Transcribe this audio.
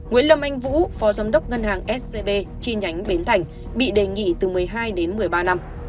nguyễn lâm anh vũ phó giám đốc ngân hàng scb chi nhánh bến thành bị đề nghị từ một mươi hai đến một mươi ba năm